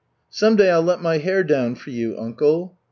Some day I'll let my hair down for you, uncle."